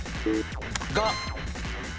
が。